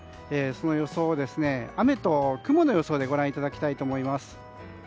その予想を、雨と雲の予想でご覧いただきたいと思います。